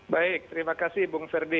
baik terima kasih bung ferdi